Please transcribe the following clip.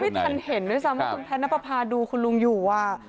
ไม่ทันเห็นด้วยซ้ำว่าคุณแพทย์นับประพาดูคุณลุงอยู่